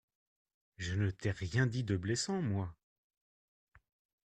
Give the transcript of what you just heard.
Je ne t'ai rien dit de blessant, moi.